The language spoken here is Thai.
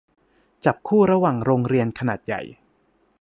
จับคู่ระหว่างโรงเรียนขนาดใหญ่